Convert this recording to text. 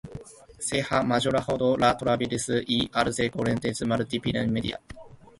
Se ha mejorado la tipografía y algunos contenidos multimedia.